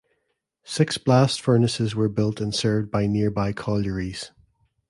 Six blast furnaces were built and served by nearby collieries.